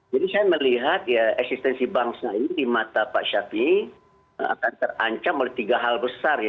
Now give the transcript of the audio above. jadi saya melihat ya eksistensi bangsa ini di mata pak syafi akan terancam oleh tiga hal besar ya